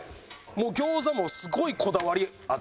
餃子もすごいこだわりあって。